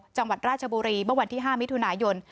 จังหวัดราชบุรีเมื่อวันที่๕มิถุนายน